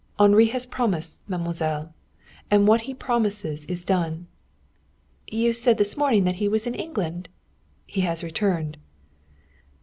"Henri has promised, mademoiselle. And what he promises is done." "You said this morning that he was in England." "He has returned."